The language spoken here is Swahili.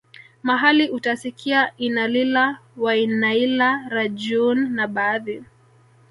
mahali utasikia innalillah wainnailah rajiuun na baadhi